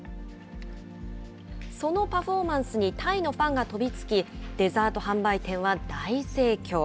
そのパフォーマンスにタイのファンが飛びつき、デザート販売店は大盛況。